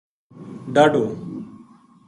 ڈاہڈو